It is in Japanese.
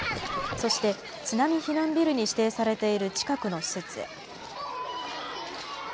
そして津波避難ビルに指定されている近くの施設へ。